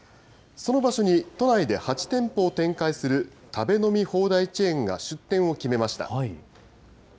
その場所に都内で８店舗を展開する、食べ飲み放題チェーンが出店を決めました。